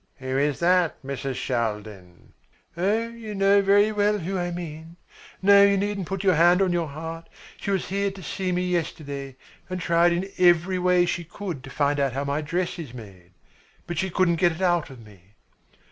"Who is that, Mrs. Shaldin?" "Oh, you know very well whom I mean. No, you needn't put your hand on your heart. She was here to see me yesterday and tried in every way she could to find out how my dress is made. But she couldn't get it out of me."